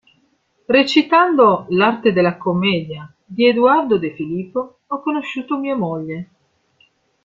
Recitando L'arte della commedia di Eduardo De Filippo ho conosciuto mia moglie.